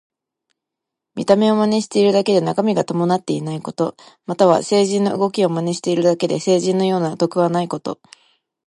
見た目を真似しているだけで中身が伴っていないこと。または、聖人の動きを真似しているだけで聖人のような徳はないこと。